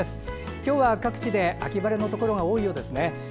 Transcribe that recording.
今日は各地で秋晴れのところが多いようですね。